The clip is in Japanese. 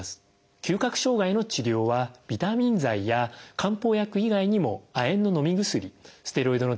嗅覚障害の治療はビタミン剤や漢方薬以外にも亜鉛ののみ薬ステロイドの点鼻薬が現在のところ使用されています。